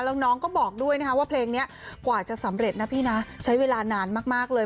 แล้วน้องก็บอกด้วยนะคะว่าเพลงนี้กว่าจะสำเร็จนะพี่นะใช้เวลานานมากเลย